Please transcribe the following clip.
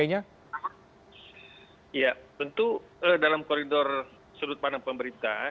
ya tentu dalam koridor sudut pandang pemerintah